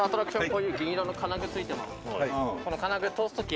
こういう銀色の金具ついてます